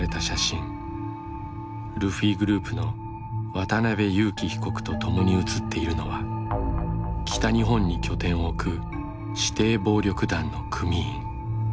ルフィグループの渡邉優樹被告と共に写っているのは北日本に拠点を置く指定暴力団の組員。